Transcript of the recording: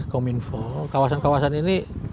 kominfo kawasan kawasan ini